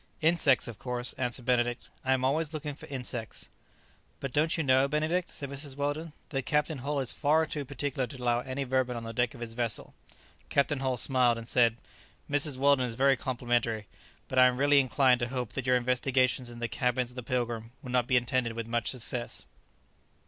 "Insects, of course," answered Benedict; "I am always looking for insects." "But don't you know, Benedict," said Mrs. Weldon, "that Captain Hull is far too particular to allow any vermin on the deck of his vessel?" Captain Hull smiled and said, "Mrs Weldon is very complimentary; but I am really inclined to hope that your investigations in the cabins of the 'Pilgrim' will not be attended with much success."